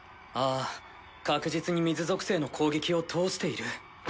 あぁ確実に水属性の攻撃を通している。